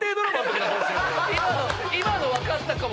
今の「わかったかも」